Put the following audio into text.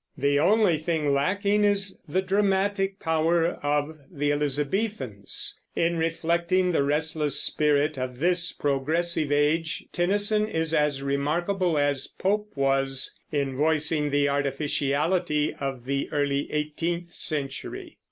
The only thing lacking is the dramatic power of the Elizabethans. In reflecting the restless spirit of this progressive age Tennyson is as remarkable as Pope was in voicing the artificiality of the early eighteenth century.